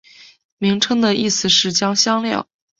名称的意思是将香料。